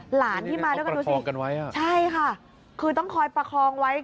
หลานที่มาด้วยกันดูสิใช่ค่ะคือต้องคอยประคองไว้